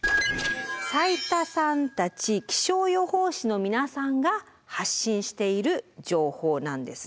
斉田さんたち気象予報士の皆さんが発信している情報なんですね。